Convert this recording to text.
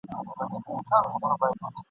هم له وره یې د فقیر سیوری شړلی !.